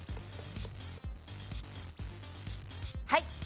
はい。